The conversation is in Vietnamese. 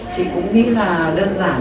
chị cũng nghĩ là đơn giản